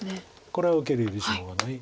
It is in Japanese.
これは受けるよりしょうがない。